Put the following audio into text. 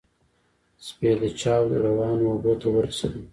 سپېده چاود روانو اوبو ته ورسېدل.